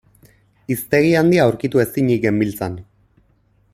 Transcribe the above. Hiztegi handia aurkitu ezinik genbiltzan.